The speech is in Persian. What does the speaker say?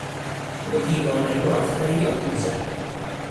او دیوانه وار فریاد میزد.